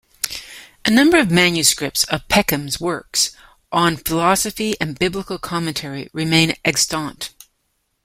A number of manuscripts of Peckham's works on philosophy and biblical commentary remain extant.